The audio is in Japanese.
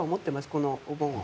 このお盆は。